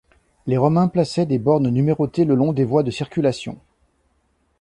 Les Romains plaçaient des bornes numérotées le long des voies de circulation.